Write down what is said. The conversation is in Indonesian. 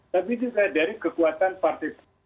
tapi juga dari kekuatan partai